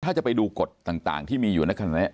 ถ้าจะไปดูกฎต่างที่มีอยู่นั่นนั้นกันและนั้นเนี่ย